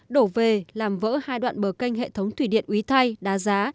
đổ về làm vỡ hai đoạn bờ canh hệ thống thủy điện úy thay đá giá